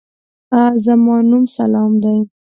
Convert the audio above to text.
زما نوم سلام دی.